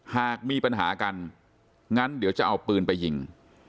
หากมีปัญหากันงั้นเดี๋ยวจะเอาปืนไปยิง